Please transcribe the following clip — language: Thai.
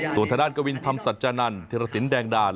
ส่วนธนาฬกวินธรรมสัจจานันท์ธิรสินแดงดาล